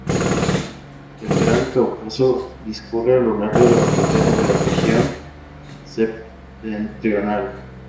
El Gran Cáucaso discurre a lo largo de la frontera de la región septentrional.